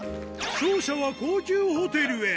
勝者は高級ホテルへ。